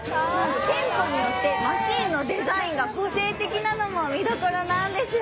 店舗によってマシーンのデザインが個性的なのも見どころなんですよ。